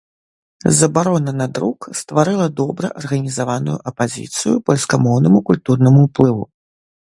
Забарона на друк стварыла добра арганізаваную апазіцыю польскамоўнаму культурнаму ўплыву.